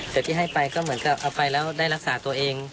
แต่ที่ให้ไปก็เหมือนกับเอาไปแล้วได้รักษาตัวเอง